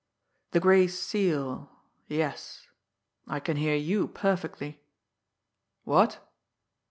"The Gray Seal yes. I can hear you perfectly.... What?